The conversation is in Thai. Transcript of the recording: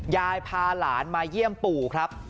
ยายพาหลานมาเยี่ยมปู่ครับ